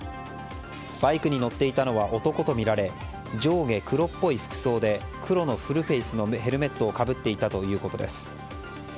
バイクに乗っていたのは男とみられ、上下黒っぽい服装で黒のフルフェースのヘルメットをかぶっていたということです。